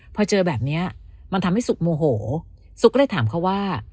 พอเจอแบบนี้มันทำให้ซุกโมโหซุกก็เลยถามเขาว่า